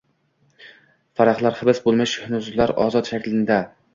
Farahlar hibs boʻlmish huznlar ozod shaklinda